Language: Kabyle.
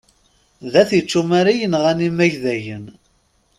D at ičumar i yenɣan imagdayen.